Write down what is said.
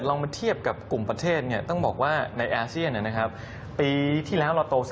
โดยเกี่ยวกับประเทศต้องบอกว่าในแอเชียนนะครับปีที่แล้วเราโต๓๒